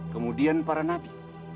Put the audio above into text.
kemudian para nabi